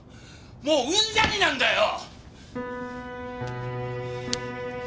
もううんざりなんだよ！